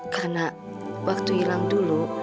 karena waktu hilang dulu